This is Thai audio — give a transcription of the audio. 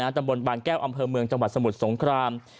ตำบลบางแก้วอำเภอเมืองจังหวัดสมุทรสงคราม